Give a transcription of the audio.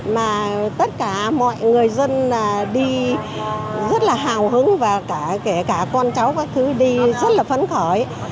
mà tất cả mọi người dân đi rất là hào hứng và cả con cháu đi rất là phấn khởi